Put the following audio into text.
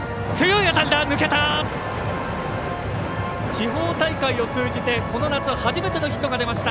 地方大会を通じてこの夏初めてのヒット出ました。